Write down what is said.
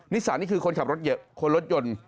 นิสสันนี่คือคนขับรถยนต์